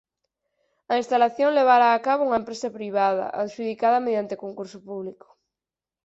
A instalación levaraa a cabo unha empresa privada, adxudicada mediante concurso público.